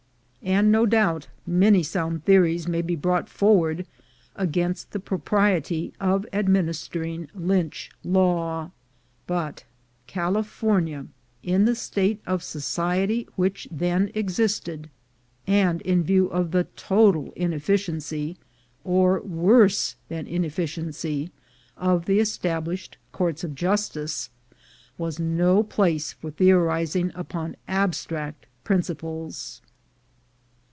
And no doubt many sound theories may be brought forward against the propriety of administering Lynch law; but California, in the state of society which then existed, and in view of the total inefficiency, or worse than inefficiency, of the established courts of justice, was no place for theorizing upon abstract prin ciples.